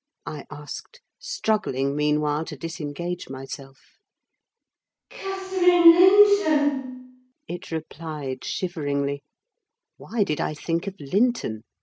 I asked, struggling, meanwhile, to disengage myself. "Catherine Linton," it replied, shiveringly (why did I think of Linton?